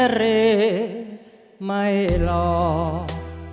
เพลงพร้อมร้องได้ให้ล้าน